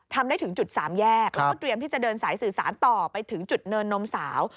ทำได้ถึงจุดสามแยกแล้วก็เตรียมที่จะเดินสายสื่อสารต่อไปถึงจุดเนินนมสาว